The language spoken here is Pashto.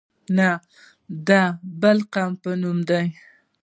نه د بل قوم په نوم.